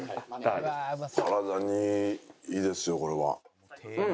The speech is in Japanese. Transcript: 体にいいですよこれは。うん。